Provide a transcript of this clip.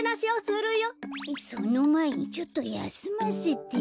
そのまえにちょっとやすませて。